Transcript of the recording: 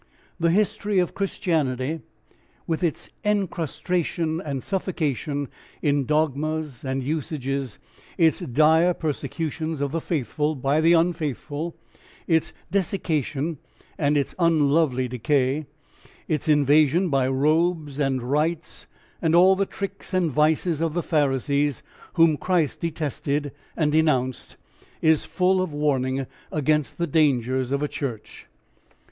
The history of Christianity, with its encrustation and suffocation in dogmas and usages, its dire persecutions of the faithful by the unfaithful, its desiccation and its unlovely decay, its invasion by robes and rites and all the tricks and vices of the Pharisees whom Christ detested and denounced, is full of warning against the dangers of a church.